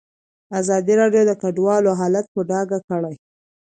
ازادي راډیو د کډوال حالت په ډاګه کړی.